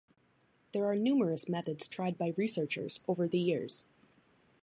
There are numerous methods tried by researchers over the years.